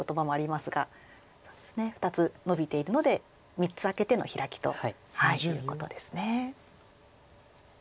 そうですね２つノビているので３つ空けてのヒラキということですね。